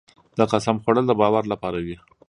د قسم خوړل د باور لپاره وي.